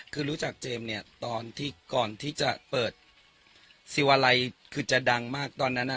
คือรู้จักเจมส์เนี่ยตอนที่ก่อนที่จะเปิดซิวาลัยคือจะดังมากตอนนั้น